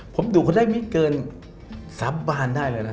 ผมดูคนได้มีเกินสับบานได้เลยนะ